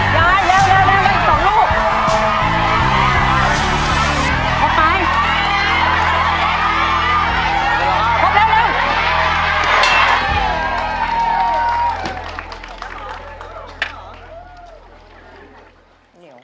ครบแล้วเร็ว